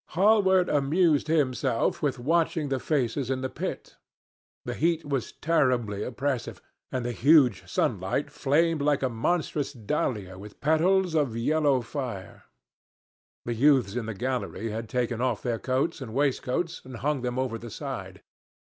Hallward amused himself with watching the faces in the pit. The heat was terribly oppressive, and the huge sunlight flamed like a monstrous dahlia with petals of yellow fire. The youths in the gallery had taken off their coats and waistcoats and hung them over the side.